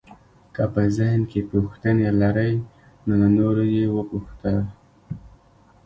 که په ذهن کې پوښتنې لرئ نو له نورو یې وپوښته.